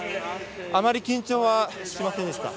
あまり緊張しませんでした。